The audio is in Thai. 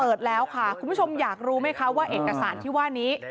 เปิดแล้วค่ะคุณผู้ชมอยากรู้ไหมคะว่าเอกสารที่ว่านี้